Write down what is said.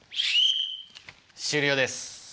終了です。